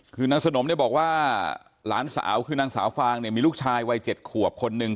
คือนางสนมเนี่ยบอกว่าหลานสาวคือนางสาวฟางเนี่ยมีลูกชายวัย๗ขวบคนหนึ่ง